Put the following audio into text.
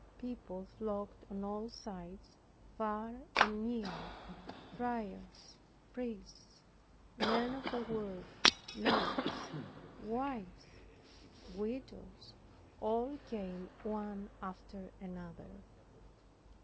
People flocked on all sides, far and near, friars, priests, men of the world, maids, wives, widows, all came one after another.